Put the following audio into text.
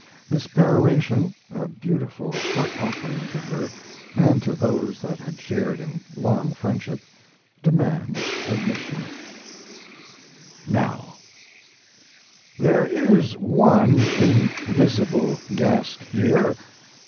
This peroration a beautiful heart offering to her and to those that had shared in long friendship demands admission: Now, there is one invisible guest here.